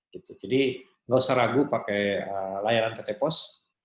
jadi tidak usah ragu pakai layanan pt pos